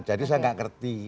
jadi saya gak ngerti